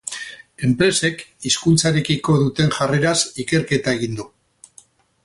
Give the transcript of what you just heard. Enpresek hizkuntzarekiko duten jarreraz ikerketa egin du.